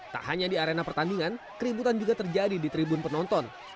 tak hanya di arena pertandingan keributan juga terjadi di tribun penonton